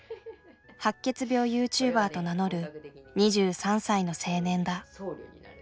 白血病ユーチューバーと名乗る２３歳の青年だ。